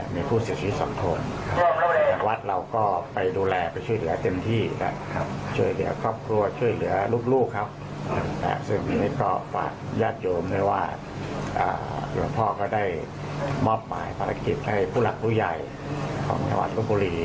มอบหมายปฏิกิจให้ผู้หลักผู้ใหญ่ของหลังวัดลูกบุรี